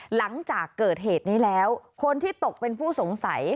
หลังจากเกิดเหตุนี้แล้วคนที่ตกเป็นผู้สงสัย